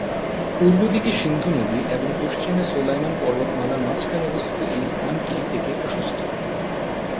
পূর্বদিকে সিন্ধু নদী এবং পশ্চিমে সুলাইমান পর্বতমালার মাঝখানে অবস্থিত এই স্থানটি থেকে প্রশস্ত।